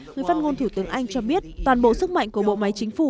người phát ngôn thủ tướng anh cho biết toàn bộ sức mạnh của bộ máy chính phủ